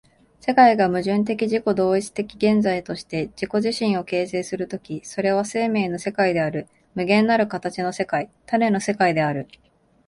世界が矛盾的自己同一的現在として自己自身を形成する時、それは生命の世界である、無限なる形の世界、種の世界である。